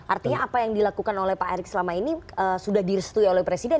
artinya apa yang dilakukan oleh pak erick selama ini sudah direstui oleh presiden